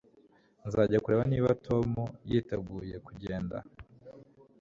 Nzajya kureba niba Tom yiteguye kugenda